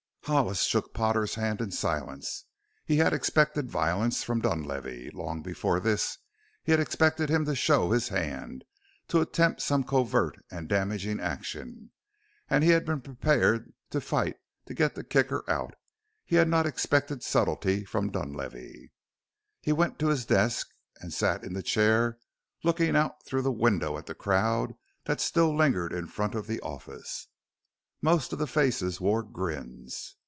Hollis shook Potter's hand in silence. He had expected violence from Dunlavey; long before this he had expected him to show his hand, to attempt some covert and damaging action. And he had been prepared to fight to get the Kicker out. He had not expected subtlety from Dunlavey. He went to his desk and sat in the chair, looking out through the window at the crowd that still lingered in front of the office. Most of the faces wore grins.